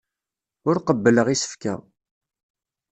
Ur qebbleɣ isefka.